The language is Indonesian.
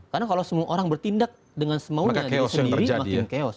karena kalau semua orang bertindak dengan semuanya sendiri makin chaos